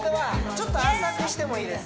ちょっと浅くしてもいいです